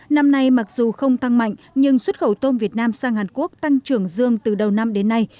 năm nay mặc dù không tăng mạnh nhưng xuất khẩu tôm việt nam sang hàn quốc tăng trưởng dương từ đầu năm đến nay